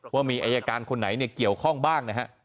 ว่ามีอัยการคนไหนเกี่ยวข้องบ้างนะครับ